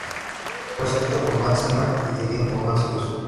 Fue escrito por Matt Selman y dirigido por Nancy Kruse.